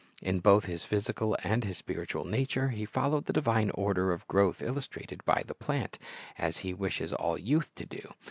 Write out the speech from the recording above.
In both His physical and His spiritual nature He followed the divine order of growth illustrated by the plant, as He wishes all youth to do.